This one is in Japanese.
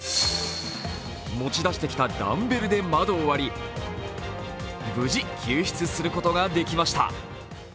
持ち出してきたダンベルで窓を割り、無事救出することができました。